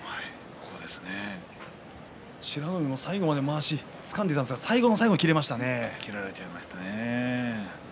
美ノ海も最後までまわしをつかんでいたんですが切られましたね。